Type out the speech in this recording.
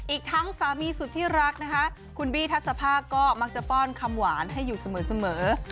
อีกทั้งสามีสุดที่รักนะคะคุณบี้ทัศภาคก็มักจะป้อนคำหวานให้อยู่เสมอ